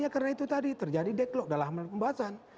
ya karena itu tadi terjadi deadlock dalam pembahasan